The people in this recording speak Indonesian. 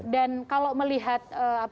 dan kalau melihat